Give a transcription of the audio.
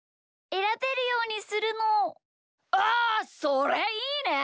それいいね！